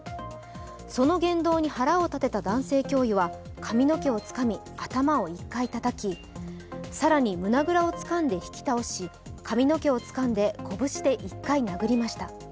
その言動に腹を立てた男性教諭は髪の毛をつかみ、頭を１回たたき更に胸ぐらをつかんで引き倒し、髪の毛をつかんで拳で１回殴りました。